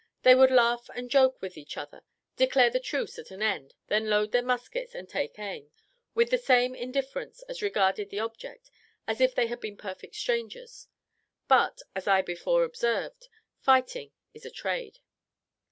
They would laugh and joke with each other, declare the truce at an end, then load their muskets, and take aim, with the same indifference, as regarded the object, as if they had been perfect strangers; but, as I before observed, fighting is a trade.